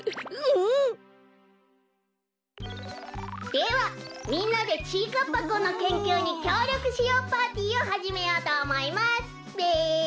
では「みんなでちぃかっぱくんのけんきゅうにきょうりょくしよう！パーティー」をはじめようとおもいますべ。